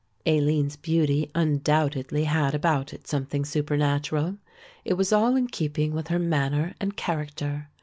Aline's beauty undoubtedly had about it something supernatural. It was all in keeping with her manner and character.